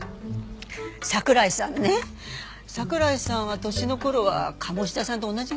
桜井さんね桜井さんは年の頃は鴨志田さんと同じぐらいかな。